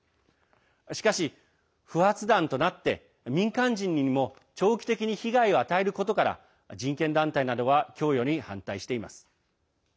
しかし、不発弾となって民間人にも長期的に被害を与えることから人権団体などは供与に反対しています。